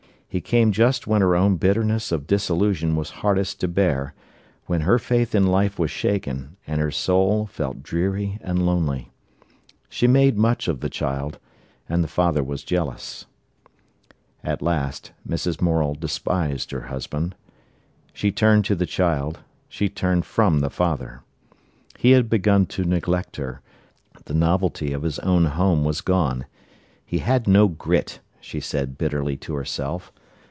He came just when her own bitterness of disillusion was hardest to bear; when her faith in life was shaken, and her soul felt dreary and lonely. She made much of the child, and the father was jealous. At last Mrs. Morel despised her husband. She turned to the child; she turned from the father. He had begun to neglect her; the novelty of his own home was gone. He had no grit, she said bitterly to herself.